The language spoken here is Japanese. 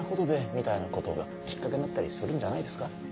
みたいなことがきっかけになったりするんじゃないですか？